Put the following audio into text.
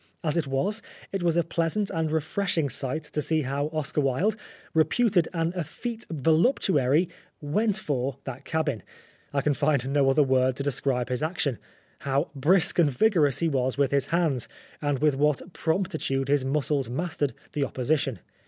As it was, it was a pleasant and refreshing sight to see how Oscar Wilde, reputed an effete voluptuary, 'went for' that cabin I can find no other word to describe his action how brisk and vigorous he was with his hands, and with what promptitude his muscles mastered the opposi tion.